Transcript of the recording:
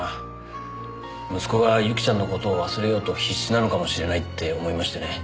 息子がユキちゃんの事を忘れようと必死なのかもしれないって思いましてね。